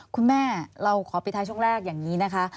คุณแม่เราขอปิดท้ายช่วงแรกอย่างนี้นะคะ